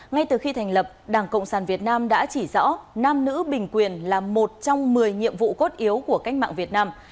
ngay từ khi thành lập đảng cộng sản việt nam đã chỉ rõ nam nữ bình quyền là một trong một mươi nhiệm vụ cốt yếu của cách mạng việt nam